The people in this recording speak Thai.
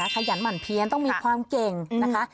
ขยันหมั่นเพี้ยนต้องมีความเก่งนะคะ